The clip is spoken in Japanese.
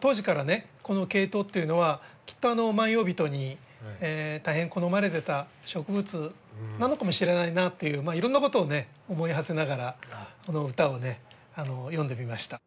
当時からこのケイトウっていうのはきっと万葉人に大変好まれてた植物なのかもしれないなといういろんなことを思いはせながらこの歌を読んでみました。